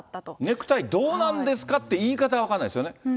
ネクタイどうなんですかって、言い方は分からないですよね。